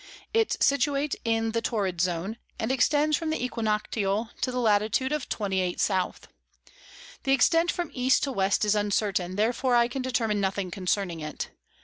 It's situate in the Torrid Zone, and extends from the Equinoctial to the Lat. of 28 South. The Extent from East to West is uncertain, therefore I can determine nothing concerning it.